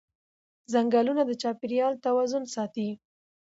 ځنګلونه د چاپېریال توازن ساتي